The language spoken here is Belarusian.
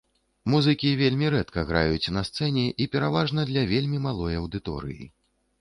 Музыкі вельмі рэдка граюць на сцэне і пераважна для вельмі малой аўдыторыі.